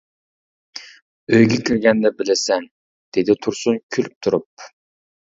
— ئۆيگە كىرگەندە بىلىسەن، — دېدى تۇرسۇن كۈلۈپ تۇرۇپ.